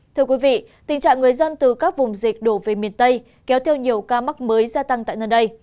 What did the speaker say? thưa quý vị tình trạng người dân từ các vùng dịch đổ về miền tây kéo theo nhiều ca mắc mới gia tăng tại nơi đây